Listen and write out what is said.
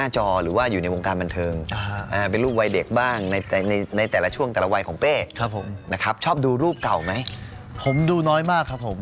ชอบดูรูปเก่าไหมครับผมดูน้อยมากครับผม